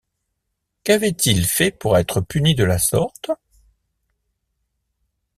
Qu’avaient-ils fait pour être punis de la sorte?